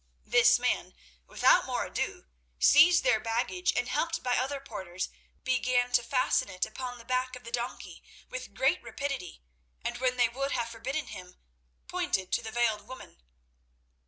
This man, without more ado, seized their baggage, and helped by other porters began to fasten it upon the back of the donkey with great rapidity, and when they would have forbidden him, pointed to the veiled woman.